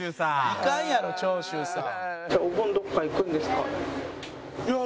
行かんやろ長州さん。